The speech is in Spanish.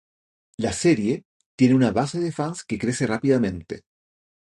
La serie tiene una base de fans que crece rápidamente.